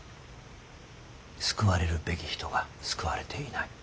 救われるべき人が救われていない。